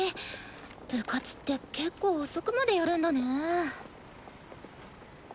部活ってけっこう遅くまでやるんだね。